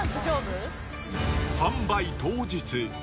販売当日。